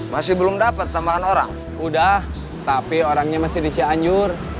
masih belum dapat tambahan orang udah tapi orangnya masih di cianjur